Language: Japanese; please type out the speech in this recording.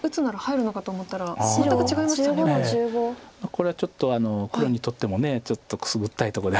これはちょっと黒にとってもちょっとくすぐったいとこでありますよね。